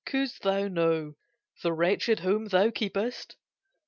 Couldst thou know The wretched home thou keepest!